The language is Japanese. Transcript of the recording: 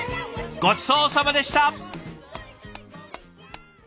ごちそうさまでした。